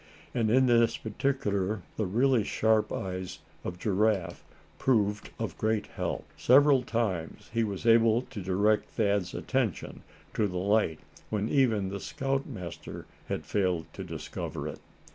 And in this particular the really sharp eyes of Giraffe proved of great help. Several times he was able to direct Thad's attention to the light when even the scoutmaster had failed to discover it.